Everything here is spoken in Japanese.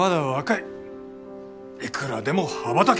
いくらでも羽ばたける！